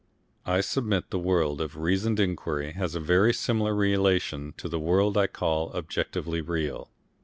I submit the world of reasoned inquiry has a very similar relation to the world I call objectively real.